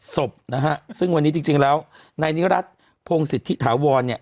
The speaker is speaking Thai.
สบนะฮะซึ่งวันนี้จริงจริงแล้วในนี้รัฐโพงสิทธิถาวรเนี่ย